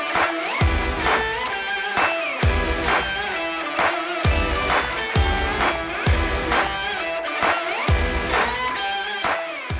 jangan lupa like subscribe dan share ya